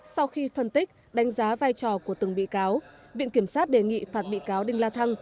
sau khi phân tích đánh giá vai trò của từng bị cáo viện kiểm sát đề nghị phạt bị cáo đinh la thăng